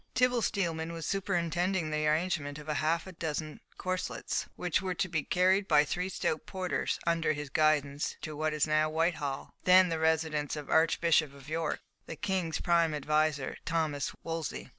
Tibble Steelman was superintending the arrangement of half a dozen corslets, which were to be carried by three stout porters, under his guidance, to what is now Whitehall, then the residence of the Archbishop of York, the king's prime adviser, Thomas Wolsey.